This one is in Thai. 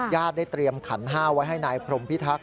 ได้เตรียมขันห้าไว้ให้นายพรมพิทักษ